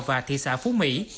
và thị xã phú mỹ